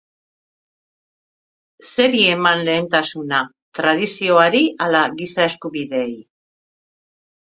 Zeri eman lehentasuna, tradizioari ala giza eskubideei?